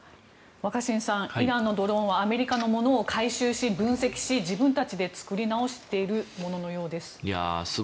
若新さんイランのドローンはアメリカのものを回収し分析し自分たちで作り直しているもののようです。